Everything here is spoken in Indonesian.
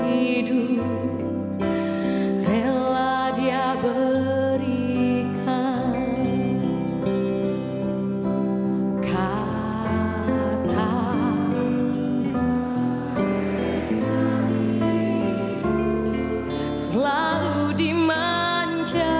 hidup rela dia berikan